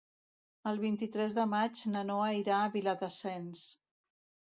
El vint-i-tres de maig na Noa irà a Viladasens.